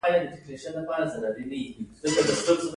د درې ورځو وروسته ډوډۍ چڼېسه نیسي